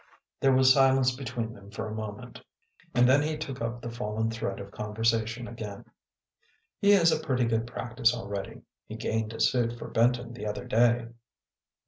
There was silence between them for a moment, and then he took up the fallen thread of conversation again. " He has a pretty good practice already. He gained a suit for Benton the other day."